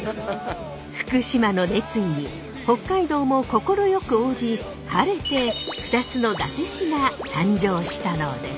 福島の熱意に北海道も快く応じ晴れて２つの伊達市が誕生したのです！